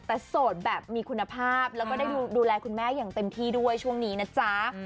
แต่โสดแบบมีคุณภาพแล้วก็ได้ดูแลคุณแม่อย่างเต็มที่ด้วยช่วงนี้นะจ๊ะ